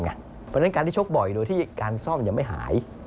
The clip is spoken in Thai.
เพราะฉะนั้นการที่ชกบ่อยโดยที่การซ่อมยังไม่หาย